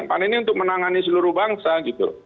pan ini untuk menangani seluruh bangsa gitu